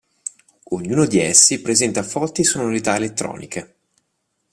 Ognuno di essi presenta forti sonorità elettroniche.